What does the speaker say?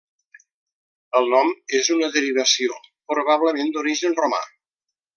El nom és una derivació probablement d'origen romà.